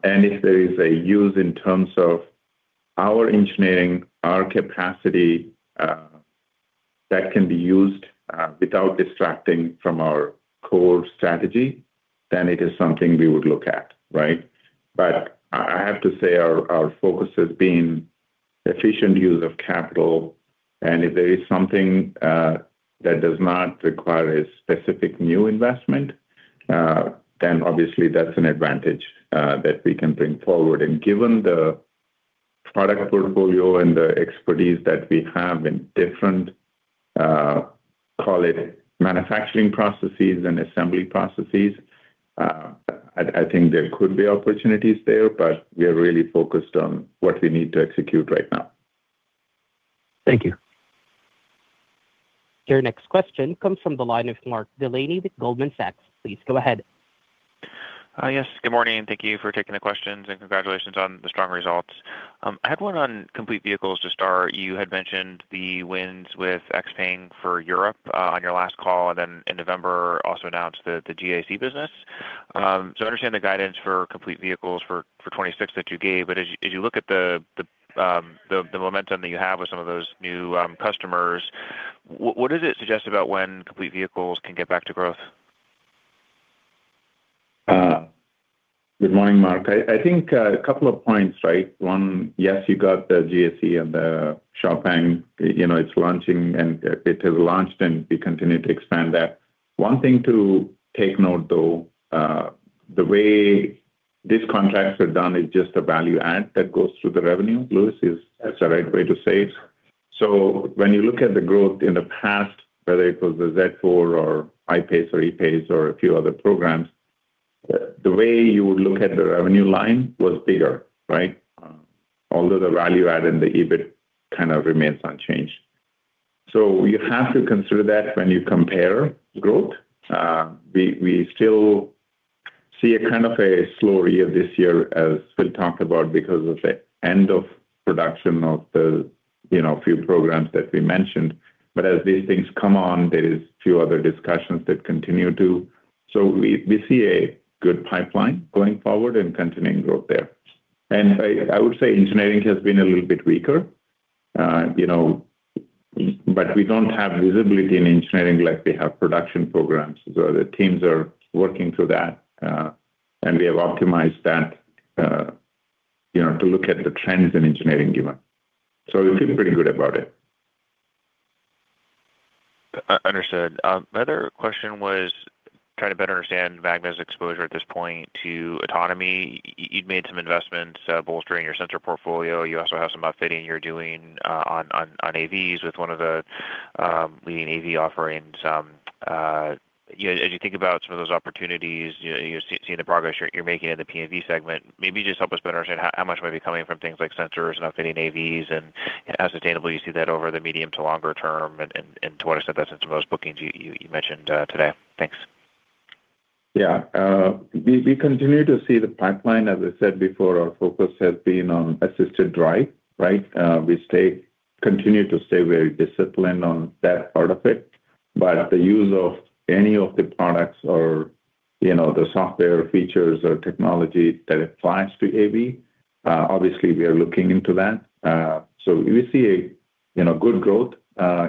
And if there is a use in terms of our engineering, our capacity that can be used without distracting from our core strategy, then it is something we would look at, right? But I have to say our focus has been efficient use of capital, and if there is something that does not require a specific new investment, then obviously that's an advantage that we can bring forward. And given the product portfolio and the expertise that we have in different, call it manufacturing processes and assembly processes, I think there could be opportunities there, but we are really focused on what we need to execute right now. Thank you. Your next question comes from the line of Mark Delaney with Goldman Sachs. Please go ahead. Yes, good morning, and thank you for taking the questions and congratulations on the strong results. I had one on complete vehicles to start. You had mentioned the wins with XPENG for Europe, on your last call, and then in November, also announced the GAC business. So I understand the guidance for complete vehicles for 2026 that you gave, but as you look at the momentum that you have with some of those new customers, what does it suggest about when complete vehicles can get back to growth? Good morning, Mark. I think a couple of points, right? One, yes, you got the GAC and the XPENG, you know, it's launching and it has launched, and we continue to expand that. One thing to take note, though, the way these contracts are done is just a value add that goes through the revenue, Louis, is that's the right way to say it? So when you look at the growth in the past, whether it was the Z4 or I-PACE or E-PACE or a few other programs, the way you would look at the revenue line was bigger, right? Although the value add and the EBIT kind of remains unchanged. So you have to consider that when you compare growth. We still see a kind of a slow year this year, as Phil talked about, because of the end of production of the, you know, few programs that we mentioned. But as these things come on, there is a few other discussions that continue to... So we see a good pipeline going forward and continuing growth there. And I would say engineering has been a little bit weaker, you know, but we don't have visibility in engineering like we have production programs. So the teams are working through that, and we have optimized that, you know, to look at the trends in engineering given. So we feel pretty good about it. Understood. My other question was trying to better understand Magna's exposure at this point to autonomy. You'd made some investments bolstering your sensor portfolio. You also have some upfitting you're doing on AVs with one of the leading AV offerings. You know, as you think about some of those opportunities, you're seeing the progress you're making in the P&V segment, maybe just help us better understand how much might be coming from things like sensors and updating AVs and how sustainable you see that over the medium to longer term and to what extent that's the most bookings you mentioned today. Thanks. Yeah. We continue to see the pipeline. As I said before, our focus has been on assisted drive, right? We continue to stay very disciplined on that part of it. But the use of any of the products or, you know, the software features or technology that applies to AV, obviously we are looking into that. So we see, you know, good growth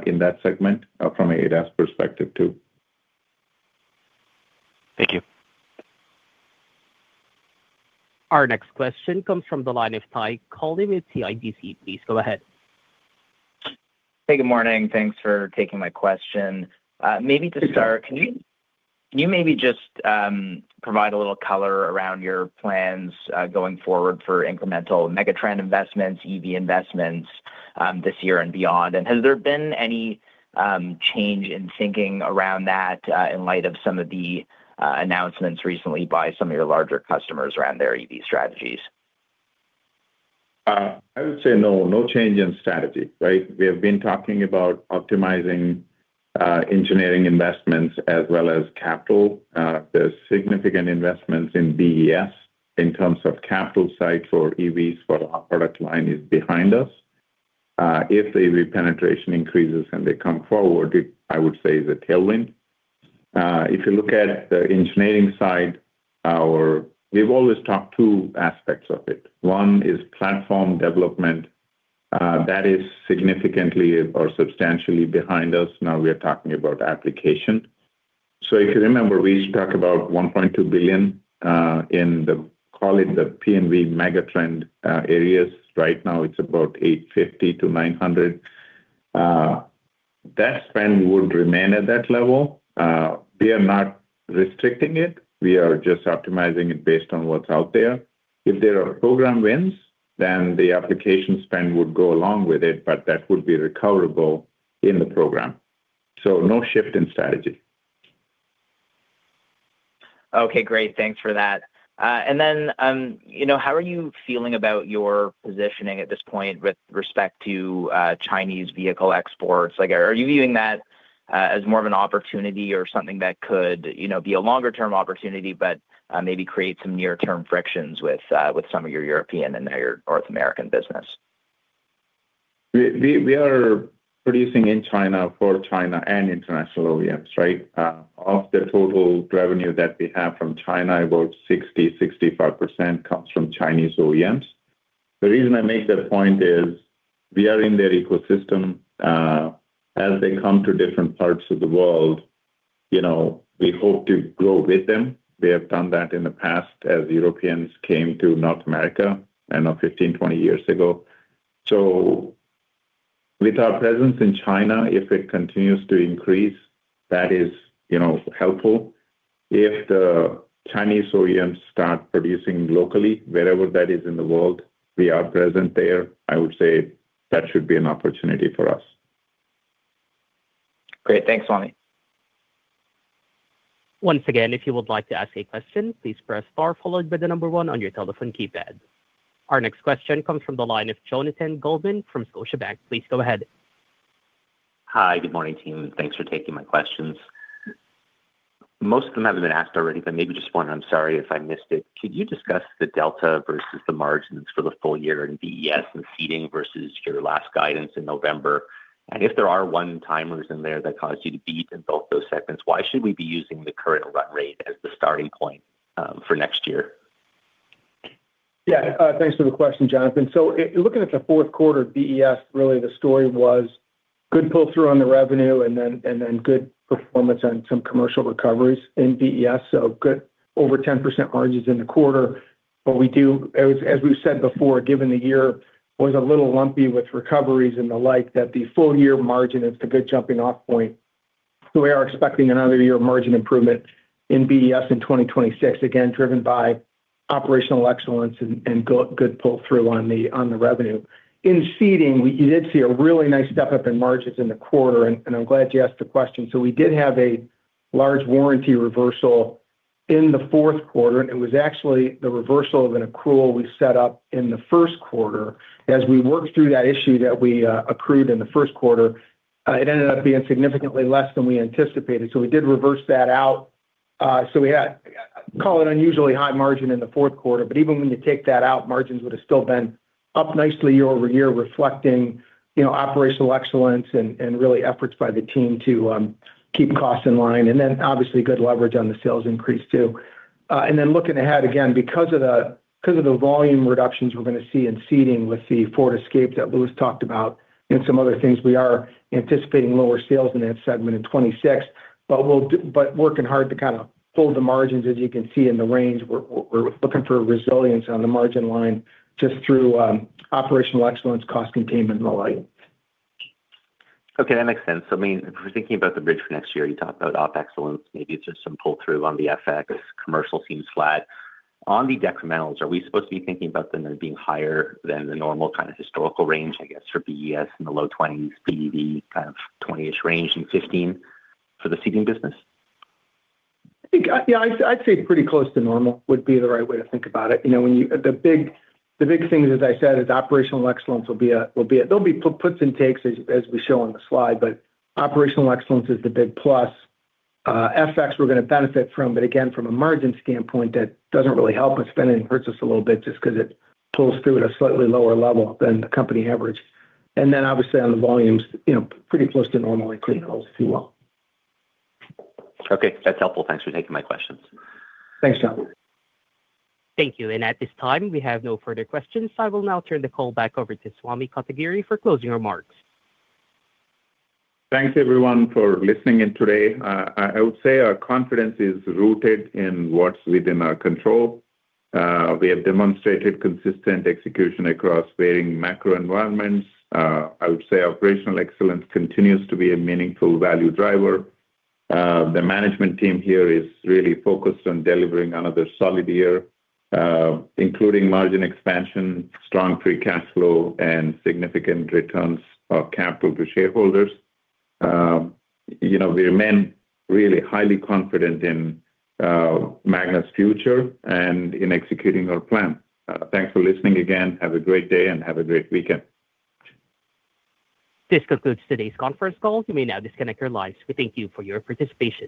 in that segment from a ADAS perspective, too. Thank you. Our next question comes from the line of Ty Coleman with CIBC. Please go ahead. Hey, good morning. Thanks for taking my question. Maybe to start, can you, can you maybe just provide a little color around your plans going forward for incremental megatrend investments, EV investments, this year and beyond? And has there been any change in thinking around that in light of some of the announcements recently by some of your larger customers around their EV strategies? I would say no, no change in strategy, right? We have been talking about optimizing engineering investments as well as capital. There's significant investments in BES in terms of capital sites for EVs, for our product line is behind us. If the penetration increases and they come forward, it, I would say, is a tailwind. If you look at the engineering side, our. We've always talked two aspects of it. One is platform development. That is significantly or substantially behind us. Now we are talking about application. So if you remember, we used to talk about $1.2 billion in the, call it the P&V megatrend areas. Right now, it's about $850 million-$900 million. That spend would remain at that level. We are not restricting it, we are just optimizing it based on what's out there. If there are program wins, then the application spend would go along with it, but that would be recoverable in the program. So no shift in strategy. Okay, great. Thanks for that. And then, you know, how are you feeling about your positioning at this point with respect to Chinese vehicle exports? Like, are you viewing that as more of an opportunity or something that could, you know, be a longer-term opportunity, but maybe create some near-term frictions with some of your European and your North American business? We are producing in China for China and international OEMs, right? Of the total revenue that we have from China, about 65% comes from Chinese OEMs. The reason I make that point is we are in their ecosystem. As they come to different parts of the world, you know, we hope to grow with them. We have done that in the past as Europeans came to North America, I know 15, 20 years ago. So with our presence in China, if it continues to increase, that is, you know, helpful. If the Chinese OEMs start producing locally, wherever that is in the world, we are present there, I would say that should be an opportunity for us. Great. Thanks, Swamy. Once again, if you would like to ask a question, please press star followed by the number one on your telephone keypad. Our next question comes from the line of Jonathan Goldman from Scotiabank. Please go ahead. Hi, good morning, team. Thanks for taking my questions. Most of them have been asked already, but maybe just one, I'm sorry if I missed it. Could you discuss the delta versus the margins for the full year in BES and seating versus your last guidance in November? And if there are one-timers in there that caused you to beat in both those segments, why should we be using the current run rate as the starting point, for next year? Yeah, thanks for the question, Jonathan. So looking at the fourth quarter, BES, really, the story was good pull-through on the revenue and then good performance on some commercial recoveries in BES, so good over 10% margins in the quarter. But we do, as we've said before, given the year was a little lumpy with recoveries and the like, that the full year margin is a good jumping-off point. So we are expecting another year margin improvement in BES in 2026, again, driven by operational excellence and good pull-through on the revenue. In Seating, we did see a really nice step-up in margins in the quarter, and I'm glad you asked the question. So we did have a large warranty reversal in the fourth quarter. It was actually the reversal of an accrual we set up in the first quarter. As we worked through that issue that we accrued in the first quarter, it ended up being significantly less than we anticipated, so we did reverse that out. So we had, call it unusually high margin in the fourth quarter, but even when you take that out, margins would have still been up nicely year-over-year, reflecting, you know, operational excellence and really efforts by the team to keep costs in line, and then obviously, good leverage on the sales increase, too. And then looking ahead, again, because of the volume reductions we're gonna see in seating with the Ford Escape that Louis talked about and some other things, we are anticipating lower sales in that segment in 2026, but working hard to kind of hold the margins, as you can see in the range. We're looking for resilience on the margin line just through operational excellence, cost containment, and the like. Okay, that makes sense. I mean, if we're thinking about the bridge for next year, you talked about operational excellence. Maybe it's just some pull-through on the FX. Commercial seems flat. On the decrementals, are we supposed to be thinking about them as being higher than the normal kind of historical range, I guess, for BES in the low 20s, BEV kind of 20-ish range, and 15 for the seating business? I think, yeah, I'd say pretty close to normal would be the right way to think about it. You know, when you... The big thing, as I said, is operational excellence. There'll be puts and takes as we show on the slide, but operational excellence is the big plus. FX, we're gonna benefit from, but again, from a margin standpoint, that doesn't really help with spending. It hurts us a little bit just 'cause it pulls through at a slightly lower level than the company average. And then, obviously, on the volumes, you know, pretty close to normal in decrementals as well. Okay, that's helpful. Thanks for taking my questions. Thanks, Jonathan. Thank you. At this time, we have no further questions, so I will now turn the call back over to Swamy Kotagiri for closing remarks. Thanks, everyone, for listening in today. I would say our confidence is rooted in what's within our control. We have demonstrated consistent execution across varying macro environments. I would say operational excellence continues to be a meaningful value driver. The management team here is really focused on delivering another solid year, including margin expansion, strong free cash flow, and significant returns of capital to shareholders. You know, we remain really highly confident in Magna's future and in executing our plan. Thanks for listening again. Have a great day, and have a great weekend. This concludes today's conference call. You may now disconnect your lines. We thank you for your participation.